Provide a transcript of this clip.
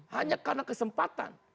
hanya karena kesempatan